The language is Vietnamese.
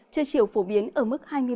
trưa chiều phổ biến ở mức hai mươi